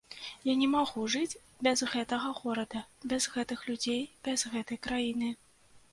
Я не магу жыць без гэтага горада, без гэтых людзей, без гэтай краіны.